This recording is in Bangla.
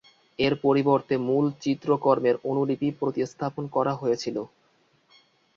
এর পরিবর্তে মূল চিত্রকর্মের অনুলিপি প্রতিস্থাপন করা হয়েছিল।